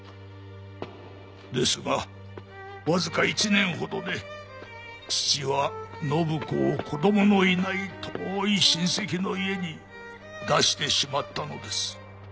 ですがわずか１年ほどで父は展子を子供のいない遠い親戚の家に出してしまったのです。